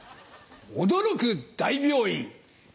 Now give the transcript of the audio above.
驚く大病院。